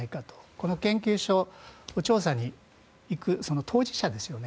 この研究所に調査に行く当事者ですよね